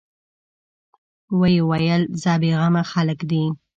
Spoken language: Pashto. ويې ويل: څه بېغمه خلک دي.